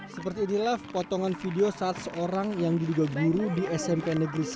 seperti inilah potongan video saat seorang yang diduga guru di smp negeri satu